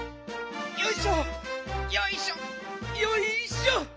よいしょよいしょよいしょ！